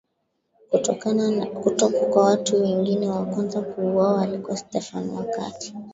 kutoka kwa watu wengine Wa kwanza kuuawa alikuwa Stefano na kati